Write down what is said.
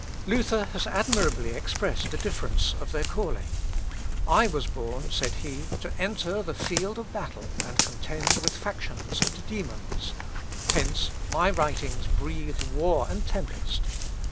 Luther has admirably expressed the difference of their calling: "I was born," said he, "to enter the field of battle, and contend with factions and demons. Hence, my writings breathe war and tempest.